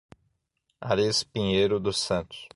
Arez Pinheiro dos Santos